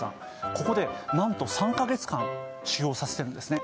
ここで何と３か月間修業させてるんですね